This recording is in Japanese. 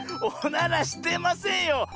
おならしてませんよ。